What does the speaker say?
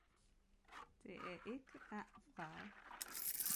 Det er ikke at vrage